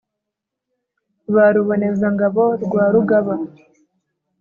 Ba Ruboneza-ngabo rwa Rugaba